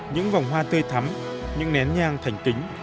những vòng hoa tươi thắm những nén nhang thành kính